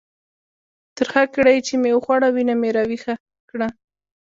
ترخه کړایي چې مې وخوړه، وینه مې را ویښه کړه.